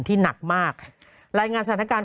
หนักมากรายงานสถานการณ์